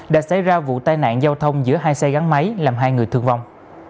đã xảy ra vụ tai nạn giao thông giữa hai xe gắn máy làm hai người thương vong